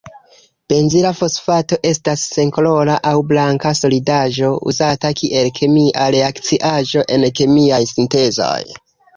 Benzila fosfato estas senkolora aŭ blanka solidaĵo, uzata kiel kemia reakciaĵo en kemiaj sintezoj.